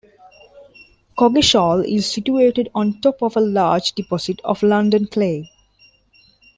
Coggeshall is situated on top of a large deposit of London Clay.